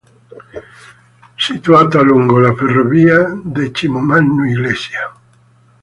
Situata lungo la ferrovia Decimomannu-Iglesias.